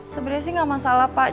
sebenernya sih gak masalah pak